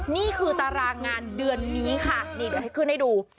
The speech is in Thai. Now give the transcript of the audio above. นี่คือตารางงานเดือนนี้ค่ะนี่ดูเครื่องให้ดู